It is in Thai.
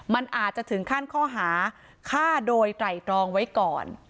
มันอาจจะถึงขั้นข้อหาฆ่าโดยไตรตรองไว้ก่อน